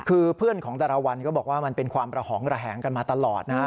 คือเพื่อนของแต่ละวันก็บอกว่ามันเป็นความระหองระแหงกันมาตลอดนะฮะ